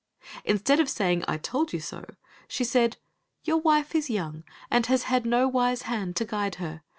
Instead of saying, "I told you so," she said, "Your wife is young, and has had no wise hand to guide her.